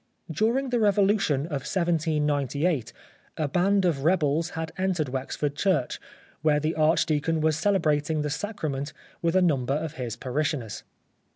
During the Revolution of 1798 a band of rebels had entered Wexford Church where the Archdeacon was celebrating the sacrament with a number of his parishioners.